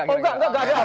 enggak enggak ada hafalan